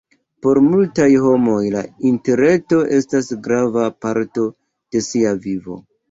Por multaj homoj la interreto estas grava parto de sia vivo.